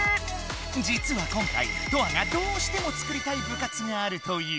じつは今回トアがどうしても作りたい部活があるという。